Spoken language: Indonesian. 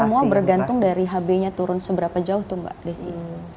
semua bergantung dari hb nya turun seberapa jauh tuh mbak desi